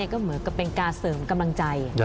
ก็เหมือนกับเป็นการเสริมกำลังใจ